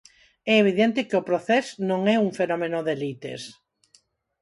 É evidente que o procés non é un fenómeno de elites.